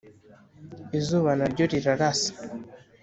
izuba na ryo rirarasa